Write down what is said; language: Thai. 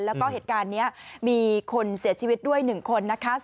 แล้วก็เหตุการณ์นี้มีคนเสียชีวิตด้วย๑คนนะคะ